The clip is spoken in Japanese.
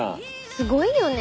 すごいよね。